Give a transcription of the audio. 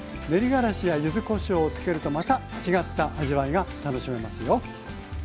練りがらしや柚子こしょうを付けるとまた違った味わいが楽しめますよ。